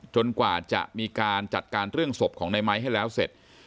กว่าจะมีการจัดการเรื่องศพของในไม้ให้แล้วเสร็จ